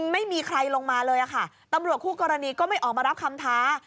ไม่มีใครลงมาเลยค่ะตำรวจคู่กรณีก็ไม่ออกมารับคำท้า